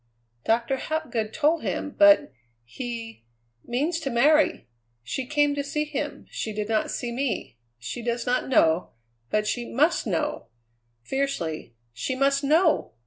Doctor Hapgood told him, but he means to marry! She came to see him; she did not see me; she does not know; but she must know!" fiercely; "she must know!